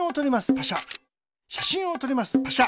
しゃしんをとりますパシャ。